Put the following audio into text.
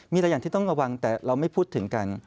มีอะไรอย่างที่ต้องระวังแต่เราไม่พูดถึงกัน